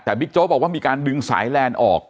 แต่บิ๊กโจ๊กบอกว่ามีการดึงสายแลนด์ออก